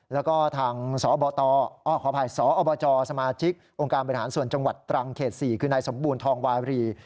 แล้วก็ทางสบขออภัยสอบจสมาชิกองค์การบริหารส่วนจังหวัดตรังเขต๔คือนายสมบูรณ์ทองวารี